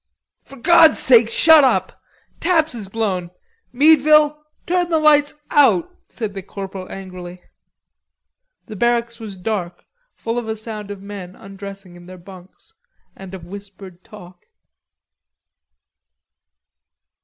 "For God's sake shut up. Taps has blown. Meadville, turn the lights out!" said the corporal angrily. The barracks was dark, full of a sound of men undressing in their bunks, and of whispered talk.